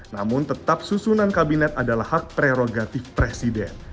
namun tetap susunan kabinet adalah hak prerogatif presiden